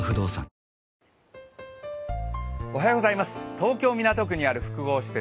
東京・港区にある複合施設